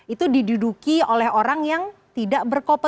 itu diduduki oleh orang yang tidak berkomit